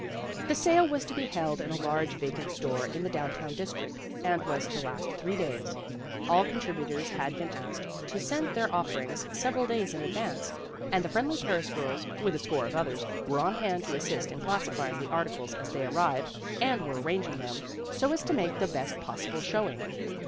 The sale was to be held in a large vacant store in the down town district, and was to last three days. All contributors had been asked to send their offerings several days in advance, and the Friendly Terrace girls, with a score of others, were on hand to assist in classifying the articles as they arrived, and THE RUMMAGE SALE 73 were arranging them so as to make the best possible showing.